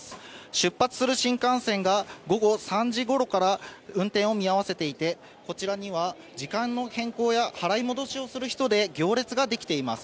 出発する新幹線が午後３時ごろから運転を見合わせていて、こちらには時間の変更や払い戻しをする人で行列が出来ています。